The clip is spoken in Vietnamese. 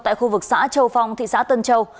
tại khu vực xã châu phong thị xã tân châu